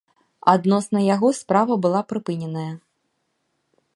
Адносна яго справа была прыпыненая.